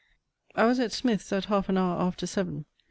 I was at Smith's at half an hour after seven.